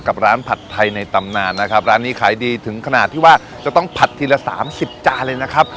กับร้านผัดไทยในตำนานนะครับร้านนี้ขายดีถึงขนาดที่ว่าจะต้องผัดทีละสามสิบจานเลยนะครับ